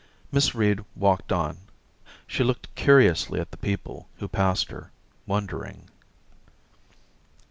Miss Reed walked on ; she looked curiously at the people who passed her, wondering.